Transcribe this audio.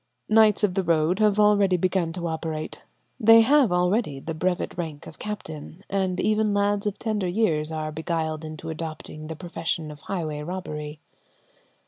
Knights of the road have already begun to operate; they have already the brevet rank of captain, and even lads of tender years are beguiled into adopting the profession of highway robbery.